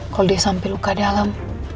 kalau dia sampai luka dalam